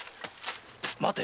待て。